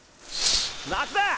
松田！